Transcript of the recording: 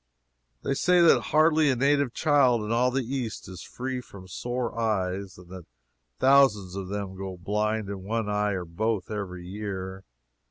They say that hardly a native child in all the East is free from sore eyes, and that thousands of them go blind of one eye or both every year.